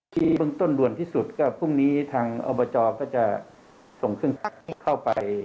เบื้องต้นด่วนที่สุดก็พรุ่งนี้ทางอบจก็จะส่งเครื่องพักเข้าไป